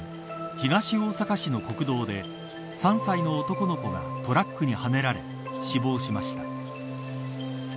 東大阪市の国道で３歳の男の子がトラックにはねられ死亡しました。